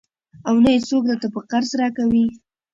او نه يې څوک راته په قرض راکوي.